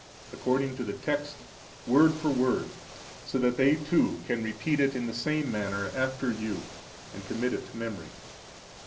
according to the text, word for word, so that they, too, can repeat it in the same manner after you and commit it to memory.